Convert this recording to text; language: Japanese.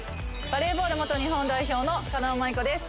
バレーボール元日本代表の狩野舞子です